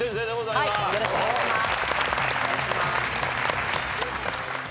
よろしくお願いします。